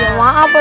ya maaf pak